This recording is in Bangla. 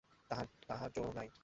তাহার জো নাই।